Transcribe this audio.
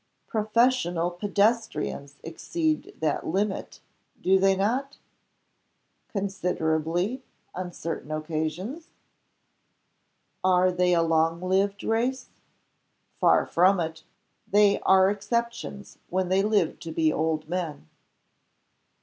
"Professional pedestrians exceed that limit, do they not?" "Considerably on certain occasions." "Are they a long lived race?" "Far from it. They are exceptions when they live to be old men."